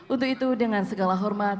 untuk itu dengan segala hormat